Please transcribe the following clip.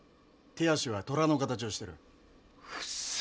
手足は虎の形をしてる。